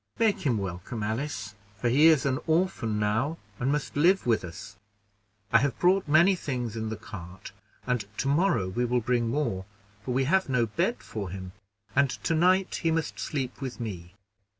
Make him welcome, Alice, for he is an orphan now, and must live with us. I have brought many things in the cart, and tomorrow we will bring more, for we have no bed for him, and to night he must sleep with me."